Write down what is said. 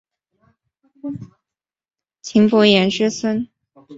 岑伯颜之孙。